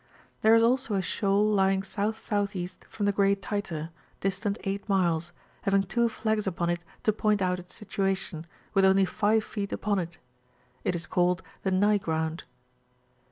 There is also a shoal lying S.S.E. from the Great Tyter, distant 8 miles, having two flags upon it to point out its situation, with only 5 feet upon it; it is called me Ny Ground.